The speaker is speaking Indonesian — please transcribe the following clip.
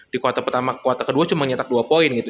di kuota pertama ke kuota kedua cuma nyetak dua poin gitu